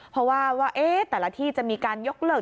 เพราะว่าแต่ละที่จะมีการยกเลิก